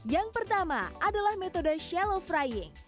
yang pertama adalah metode shellow frying